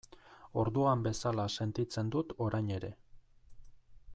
Orduan bezala sentitzen dut orain ere.